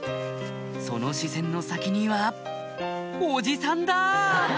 その視線の先には伯父さんだ！